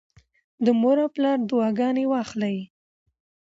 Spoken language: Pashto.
د مور او پلار دعاګانې واخلئ.